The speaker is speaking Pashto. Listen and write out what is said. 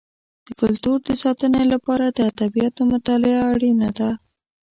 د کلتور د ساتنې لپاره د ادبیاتو مطالعه اړینه ده.